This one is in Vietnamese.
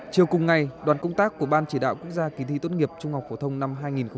chiều cùng ngày đoàn công tác của ban chỉ đạo quốc gia kỳ thi tốt nghiệp trung học phổ thông năm hai nghìn hai mươi